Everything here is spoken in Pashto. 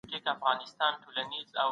اسلام موږ ته د بښنې او تېرېدنې ښوونه کوي.